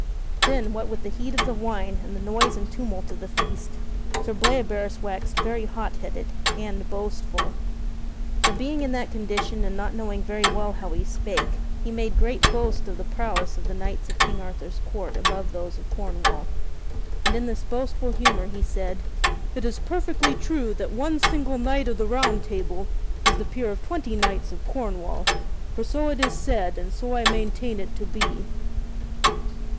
Then, what with the heat of the wine and the noise and tumult of the feast, Sir Bleoberis waxed very hot headed, and boastful. So, being in that condition and not knowing very well how he spake, he made great boast of the prowess of the knights of King Arthur's court above those of Cornwall. And in this boastful humor he said: "It is perfectly true that one single knight of the Round Table is the peer of twenty knights of Cornwall, for so it is said and so I maintain it to be."